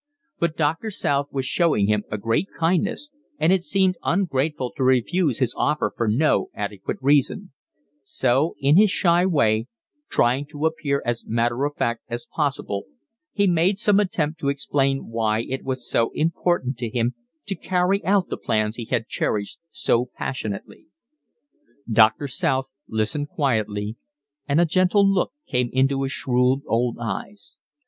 But Doctor South was showing him a great kindness, and it seemed ungrateful to refuse his offer for no adequate reason; so in his shy way, trying to appear as matter of fact as possible, he made some attempt to explain why it was so important to him to carry out the plans he had cherished so passionately. Doctor South listened quietly, and a gentle look came into his shrewd old eyes.